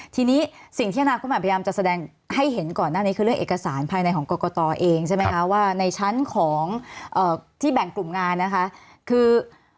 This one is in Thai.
ทีนี้สิ่งที่อนาคตใหม่พยายามจะแสดงให้เห็นก่อนหน้านี้คือเรื่องเอกสารภายในของกรกตเองใช่ไหมคะว่าในชั้นของที่แบ่งกลุ่มงานนะคะคือ